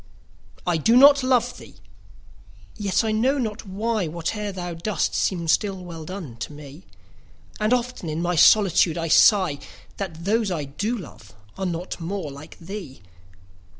I do not love thee!—yet, I know not why, 5 Whate'er thou dost seems still well done, to me: And often in my solitude I sigh That those I do love are not more like thee!